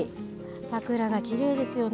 桜がきれいですよね。